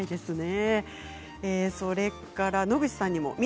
それから野口さんにも。